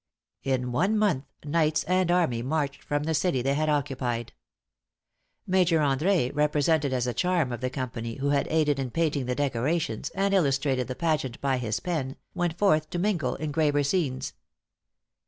In one month knights and army marched from the city they had occupied. Major André, represented as the charm of the company, who had aided in painting the decorations, and illustrated the pageant by his pen, went forth to mingle in graver scenes.